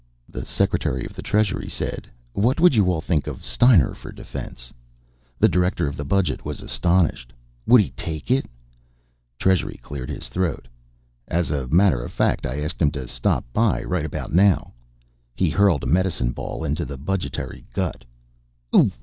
The Secretary of the Treasury said: "What would you all think of Steiner for Defense?" The Director of the Budget was astonished. "Would he take it?" Treasury cleared his throat. "As a matter of fact, I've asked him to stop by right about now." He hurled a medicine ball into the budgetary gut. "Oof!"